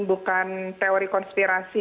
bukan teori konspirasi